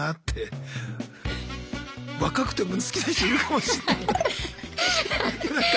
若くても好きな人いるかもしんないのに。